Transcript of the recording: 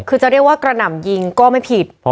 คือจะเรียกว่ากระหน่ำยิงก็ไม่ผิด